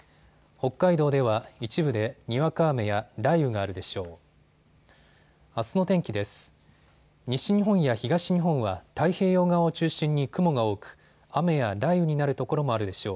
北海道では一部でにわか雨や雷雨があるでしょう。